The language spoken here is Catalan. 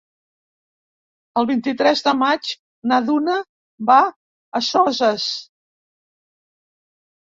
El vint-i-tres de maig na Duna va a Soses.